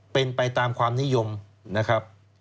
เป็นไปตามความนิยมนะครับ